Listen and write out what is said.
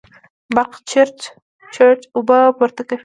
برق چړت چړت اوبه پورته کوي.